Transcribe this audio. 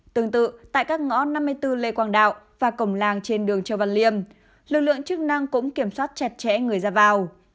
tương tự tại các ngõ năm mươi bốn lê quang đạo và cổng làng trên đường châu văn liêm lực lượng chức năng cũng kiểm soát chặt chẽ người ra vào